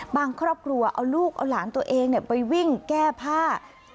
ครอบครัวเอาลูกเอาหลานตัวเองไปวิ่งแก้ผ้า